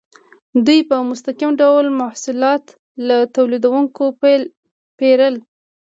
دوی په مستقیم ډول محصولات له تولیدونکو پیرل.